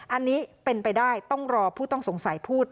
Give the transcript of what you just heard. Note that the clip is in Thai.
อันนี้เป็นไปได้ต้องรอผู้ต้องสงสัยพูด